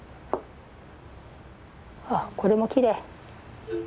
あっこれもきれい。